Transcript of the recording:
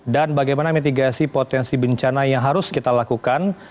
dan bagaimana mitigasi potensi bencana yang harus kita lakukan